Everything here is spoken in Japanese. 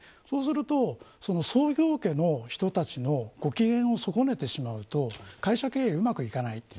そうすると創業家の人たちのご機嫌を損ねてしまうと会社経営がうまくいかない。